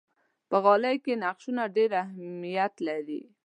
په غالۍ کې نقشونه ډېر اهمیت لري.